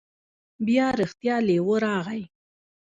بیا رښتیا لیوه راغی.